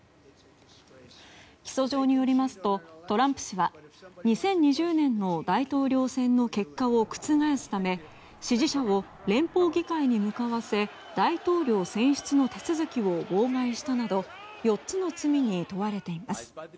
起訴状によりますとトランプ氏は２０２０年の大統領選の結果を覆すため支持者を連邦議会に向かわせ大統領選出の手続きを妨害したなど４つの罪に問われています。